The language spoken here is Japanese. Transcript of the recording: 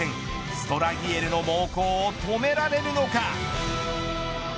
ストラギエルの猛攻を止められるのか。